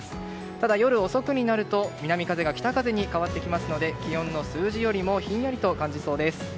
ただ夜遅くになると南風が北風に変わるので気温の数字よりもひんやりと感じそうです。